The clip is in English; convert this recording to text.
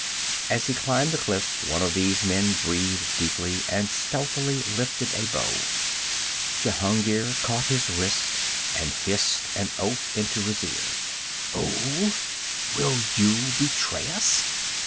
As he climbed the cliff, one of these men breathed deeply and stealthily lifted a bow. Jehungir caught his wrist and hissed an oath into his ear. 'Fool! Will you betray us?